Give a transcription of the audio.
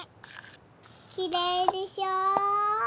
きれいでしょ？